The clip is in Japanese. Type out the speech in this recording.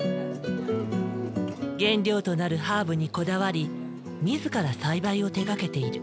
原料となるハーブにこだわり自ら栽培を手がけている。